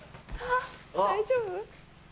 あっ大丈夫？